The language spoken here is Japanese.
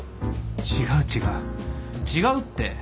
違う違う違うって！